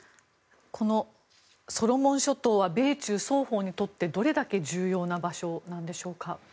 このソロモン諸島は米中双方にとってどれだけ重要な場所なんでしょうか。